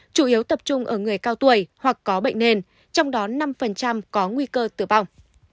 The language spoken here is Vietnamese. chủ yếu tập trung ở người cao tuổi hoặc có bệnh nền trong đó năm có nguy cơ tử vong